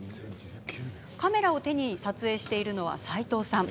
カメラを手に撮影しているのは斎藤さん。